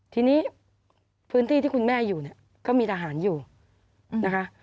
ทีนี้พื้นที่ที่คุณแม่อยู่เนี่ยก็มีทหารอยู่นะคะ